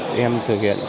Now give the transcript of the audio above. hành vi bấm còi